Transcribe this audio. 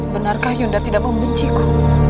benarkah yunda tidak membenciku